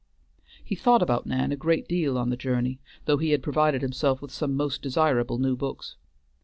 He thought about Nan a great deal on the journey, though he had provided himself with some most desirable new books.